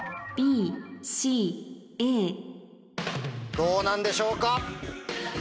どうなんでしょうか？